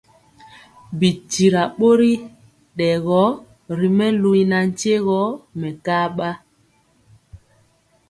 Bi tyira bori rɛye ri melu y nantye gɔ mɛkaba.